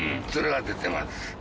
それは出てます。